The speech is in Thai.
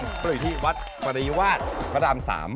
ก็อยู่ที่วัดปริวาสพระราม๓